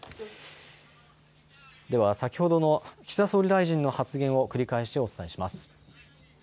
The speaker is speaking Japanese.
先ほどの岸田総理大臣の発言を繰り返しお伝えします。